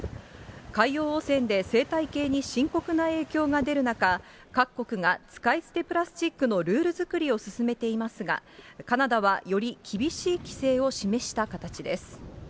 海洋汚染で生態系に深刻な影響が出る中、各国が使い捨てプラスチックのルール作りを進めていますが、カナダはより厳しい規制を示した形です。